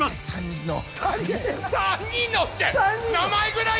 「３人の」